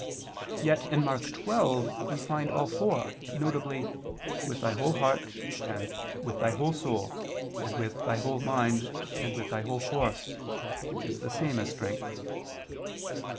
Yet in Mark 12 we find all four, viz. "with thy whole heart," and "with thy whole soul," and "with thy whole mind," and "with thy whole force" which is the same as "strength."